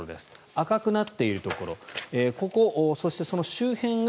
赤くなっているところここ、そして、その周辺が